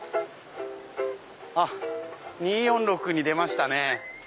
あっ２４６に出ましたね。